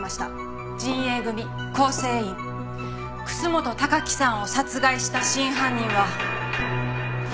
仁英組構成員楠本貴喜さんを殺害した真犯人は。